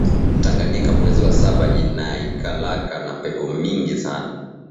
Tanganika mwezi wa saba inaikalaka na pepo mingi sana